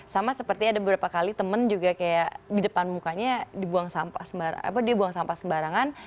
sama seperti ada beberapa kali temen juga kayak di depan mukanya dibuang sampah sembarangan